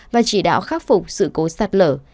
và chỉ đạo khắc phục sự cố sạt lửa